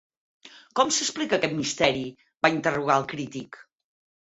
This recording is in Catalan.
Com s'explica aquest misteri?- va interrogar el crític